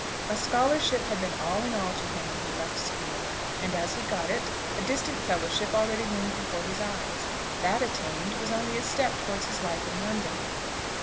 A scholarship had been all in all to him when he left school; and, as he got it, a distant fellowship already loomed before his eyes. That attained was only a step towards his life in London.